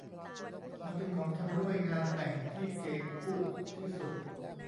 มาเป็นของชำร่วยงานแต่งนั้นเก๋กู้ดที่สุด